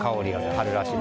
春らしい。